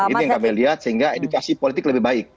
itu yang kami lihat sehingga edukasi politik lebih baik